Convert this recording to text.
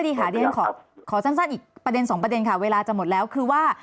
เรียนขอสั้นอีกประเด็นสองประเด็นค่ะเวลาจะหมดแล้วคือว่า